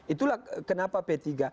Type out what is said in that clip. itulah kenapa p tiga